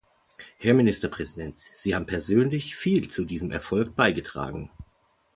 Herr Ministerpräsident, Sie haben persönlich viel zu diesem Erfolg beigetragen!